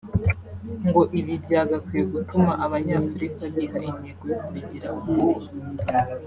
ngo ibi byagakwiye gutuma Abanyafurika biha intego yo kubigira ukuri